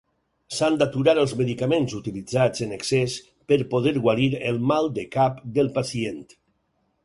S'han d'aturar els medicaments utilitzats en excés per poder guarir el mal de cap del pacient.